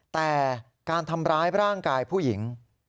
แต่การทำร้ายร่างกายผู้หญิง